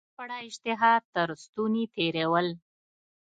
بشپړه اشتها تر ستوني تېرول.